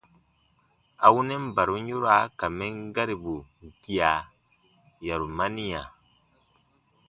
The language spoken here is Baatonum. A wunɛn barum yoraa ka mɛn garibu gia, yarumaniya.